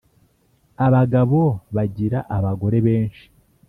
Abagabo Bagira Abagore Benshi